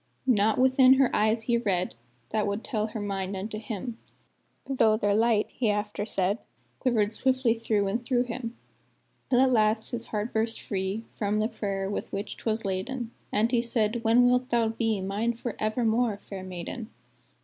Naught within her eyes he read That would tell her mind unto him; Though their light, he after said, Quivered swiftly through and through him; Till at last his heart burst free From the prayer with which 'twas laden, And he said, "When wilt thou be Mine for evermore, fair maiden?"